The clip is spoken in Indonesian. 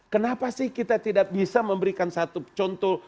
kenapa sih kita tidak bisa memberikan satu contoh